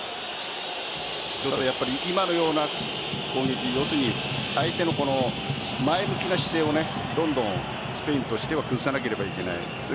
今のような攻撃相手の前向きな姿勢をどんどんスペインとしては崩さなければいけない。